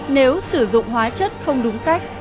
nếu sử dụng hóa chất không đúng cách